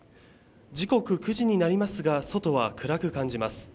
時刻９時になりますが、外は暗く感じます。